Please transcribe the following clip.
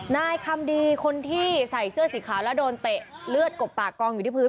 นายคำดีคนที่ใส่เสื้อสีขาวแล้วโดนเตะเลือดกบปากกองอยู่ที่พื้น